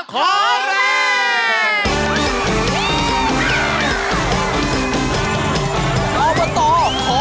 อบตขอแรง